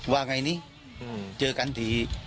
ว่าไงนี่เจอกันที